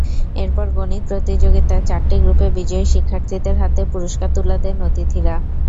এরপর গণিত প্রতিযোগিতার চারটি গ্রুপে বিজয়ী শিক্ষার্থীদের হাতে পুরস্কার তুলে দেন অতিথিরা।